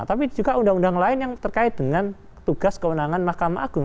tapi juga undang undang lain yang terkait dengan tugas kewenangan mahkamah agung